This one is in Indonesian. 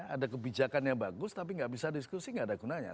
ada kebijakan yang bagus tapi nggak bisa diskusi nggak ada gunanya